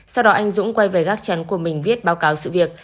sau đó anh dũng quay về gác chắn của mình viết báo cáo sự việc